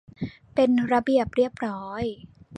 เป็นระเบียบเรียบร้อย